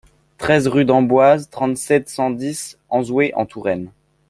treize rue d'Amboise, trente-sept, cent dix, Auzouer-en-Touraine